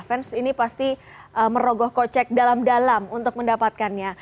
fans ini pasti merogoh kocek dalam dalam untuk mendapatkannya